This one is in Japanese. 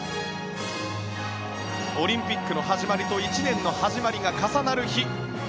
オリンピックの始まりと１年の始まりが重なる日。